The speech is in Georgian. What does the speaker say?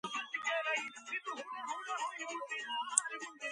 შესაბამისად, მას ცხოვრება სოციალიზმის იდეალების ფონზე უნდა გამოესახა.